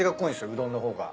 うどんの方が。